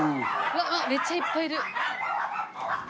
わっめっちゃいっぱいいる。